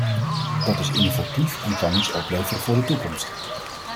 Dat is innovatief en kan iets opleveren voor de toekomst.